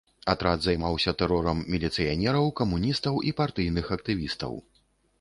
Атрад займаўся тэрорам міліцыянераў, камуністаў і партыйных актывістаў.